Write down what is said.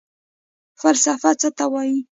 فلسفه څه ته وايي؟